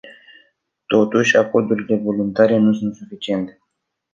Totuși, acordurile voluntare nu sunt suficiente.